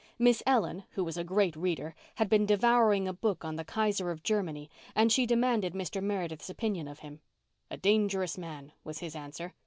Miss Ellen, who was a great reader, had been devouring a book on the Kaiser of Germany, and she demanded Mr. Meredith's opinion of him. "A dangerous man," was his answer.